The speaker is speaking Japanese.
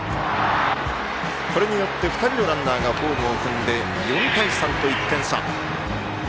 これによって２人のランナーがホームを踏んで４対３と１点差。